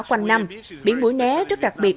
quanh năm biển mũi né rất đặc biệt